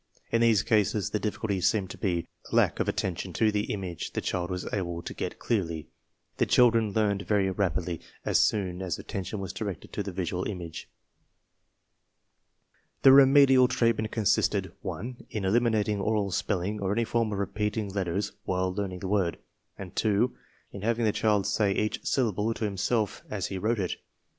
In these cases the difficulty seemed to be lack of attention to the image the child was able to get clearly. These children learned very rapidly as soon as attention was directed to the visual image. The remedial treatment consisted (1) in eliminating oral spelling or any form of repeating letters while learn ing the word, and (2) in having the child say each sylla ble to himself as he wrote it.